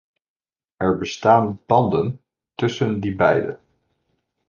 Er bestaan banden tussen die beide.